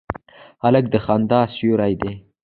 هلک د خندا سیوری دی.